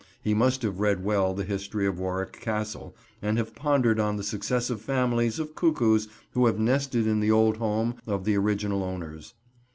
He must have read well the history of Warwick Castle and have pondered on the successive families of cuckoos who have nested in the old home of the original owners.